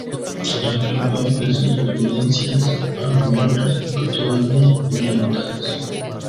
La arqueología ofrece evidencias algo mayores, aunque todavía muy limitadas.